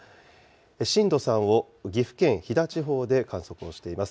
震度３を岐阜県飛騨地方で観測をしています。